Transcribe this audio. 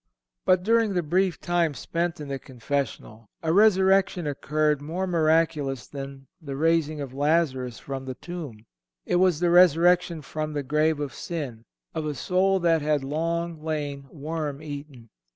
But during the brief time spent in the confessional a resurrection occurred more miraculous than the raising of Lazarus from the tomb—it was the resurrection from the grave of sin of a soul that had long lain worm eaten.